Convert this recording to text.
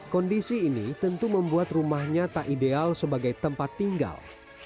kondisi ini tentu membuat rumahnya tak ideal sebagai tempat tinggal